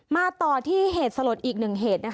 มาต่อที่เหตุสลดอีกหนึ่งเหตุ